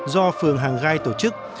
do phường hàng gai tổ chức